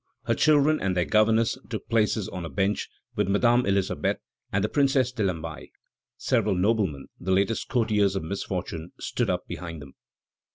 Her children and their governess took places on a bench with Madame Elisabeth and the Princess de Lamballe. Several noblemen, the latest courtiers of misfortune, stood up behind them.